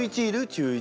中１。